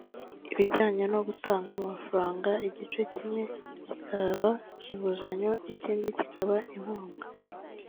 ibijyanye no gutanga amafaranga igice kimwe kikaba inguzanyo ikindi kikaba inkunga